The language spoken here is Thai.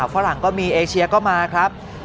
ฝรั่งก็มีเอเชียก็มาครับ